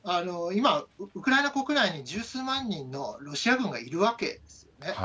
今、ウクライナ国内に十数万人のロシア軍がいるわけですね。